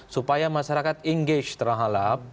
supaya masyarakat engage terhalap